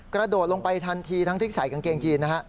กระโดดลงไปทันทีทั้งที่ใส่กางเกงยีนนะฮะ